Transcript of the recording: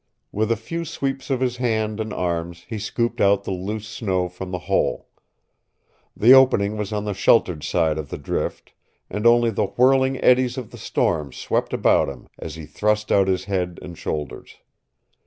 With a few sweeps of his hands and arms he scooped out the loose snow from the hole. The opening was on the sheltered side of the drift, and only the whirling eddies of the storm swept about him as he thrust out his head and shoulders.